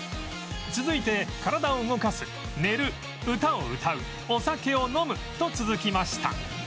続いて体を動かす寝る歌を歌うお酒を飲むと続きました